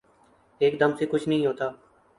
ایک دم سے کچھ نہیں ہوتا